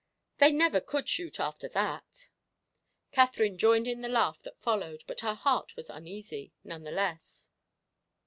They never could shoot after that." Katherine joined in the laugh that followed, but her heart was uneasy, none the less.